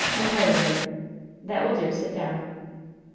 "Entirely." "That will do. Sit down."